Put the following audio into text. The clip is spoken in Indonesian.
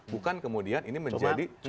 bukan kemudian ini menjadi tempat baru